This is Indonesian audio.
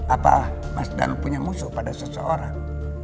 apa mas danu punya musuh pada seseorang